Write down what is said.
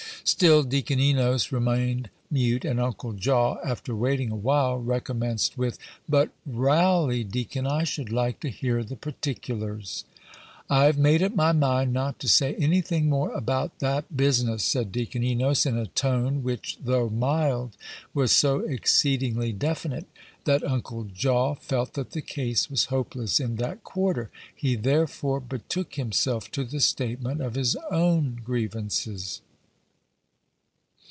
'" Still Deacon Enos remained mute; and Uncle Jaw, after waiting a while, recommenced with, "But, railly, deacon, I should like to hear the particulars." "I have made up my mind not to say any thing more about that business," said Deacon Enos, in a tone which, though mild, was so exceedingly definite, that Uncle Jaw felt that the case was hopeless in that quarter; he therefore betook himself to the statement of his own grievances.